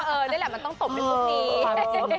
เออนี่แหละมันต้องตบเป็นตรงนี้